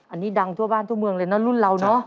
อันนี้ดังทั่วบ้านทั่วเมืองเลยนะรุ่นเราเนอะ